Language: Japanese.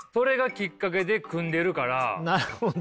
なるほど。